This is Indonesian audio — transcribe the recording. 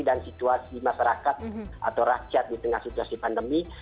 dan situasi masyarakat atau rakyat di tengah situasi pandemi